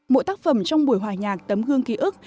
mỗi tác phẩm trong buổi hòa nhạc tấm gương ký ức